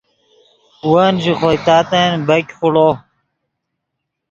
ون ژے خوئے تاتن بیګ خوڑو